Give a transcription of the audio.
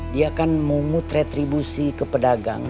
dia kan memutretribusi ke pedagang